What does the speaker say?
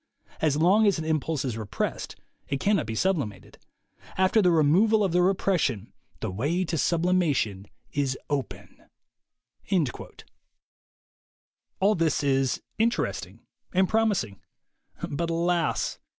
As long as an impulse is repressed, it cannot be sublimated. After the removal of the repression, the way to sublimation is open." All this is interesting and promising. But alas!